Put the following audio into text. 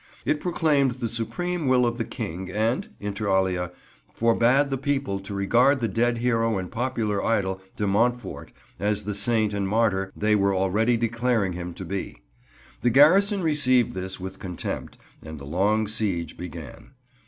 It proclaimed the supreme will of the King, and, inter alia, forbade the people to regard the dead hero and popular idol, de Montfort, as the saint and martyr they were already declaring him to be. The garrison received this with contempt, and the long siege began.